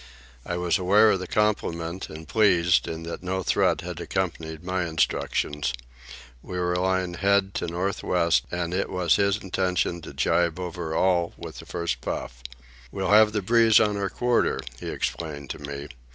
I was aware of the compliment and pleased, in that no threat had accompanied my instructions. We were lying head to north west, and it was his intention to jibe over all with the first puff. "We'll have the breeze on our quarter," he explained to me.